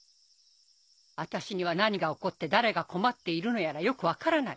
私には何が起こって誰が困っているのやらよく分からない。